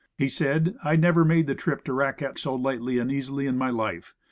He said, "I never made the trip to the Raquette so lightly and easily in my life."